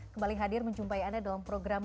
kembali hadir menjumpai anda dalam program